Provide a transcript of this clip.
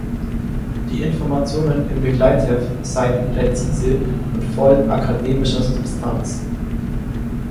Die Informationen im Begleitheft seien „präzise“ und voll „akademischer Substanz“.